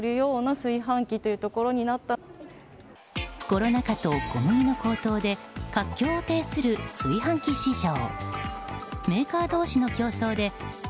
コロナ禍と小麦の高騰で活況を呈する炊飯器市場。